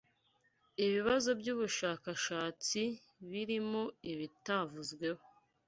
IBIBAZO BY'UBUSHAKASHATSI birimo ibitavuzweho